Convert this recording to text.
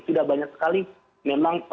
sudah banyak sekali memang